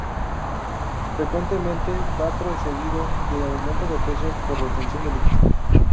Frecuentemente va precedido de aumento de peso por retención de líquido.